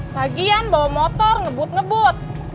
lagian bawa motor ngebut ngebut